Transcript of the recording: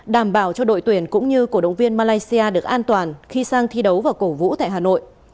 đảm bảo cho đội tuyển cũng như cổ động viên malaysia được an toàn khi sang thi đấu và cổ vũ tại hà nội